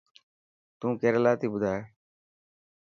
تون ڪيريلا تي ٻڌائي.